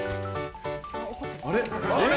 あれ？